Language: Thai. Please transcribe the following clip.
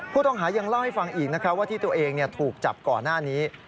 ผู้ต้องหายังเล่าให้ฟังอีกว่าที่ตัวเองถูกจับก่อนหน้านี้